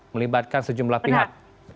menyebabkan sejumlah pihak